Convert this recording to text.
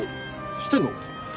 知ってんの？